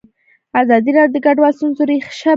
ازادي راډیو د کډوال د ستونزو رېښه بیان کړې.